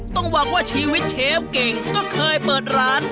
ต้องบอกว่าชีวิตเชฟเก่งก็เคยเปิดร้าน